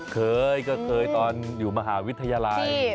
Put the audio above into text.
เคยก็เคยตอนอยู่มหาวิทยาลัย